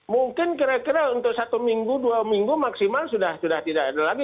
mungkin kira kira untuk satu minggu dua minggu maksimal sudah tidak ada lagi